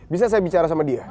bisa saya bicara sama dia